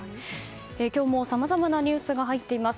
今日もさまざまなニュースが入っています。